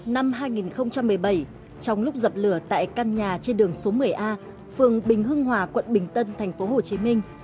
năm hai nghìn một mươi bảy trong lúc dập lửa tại căn nhà trên đường số một mươi a phường bình hưng hòa quận bình tân thành phố hồ chí minh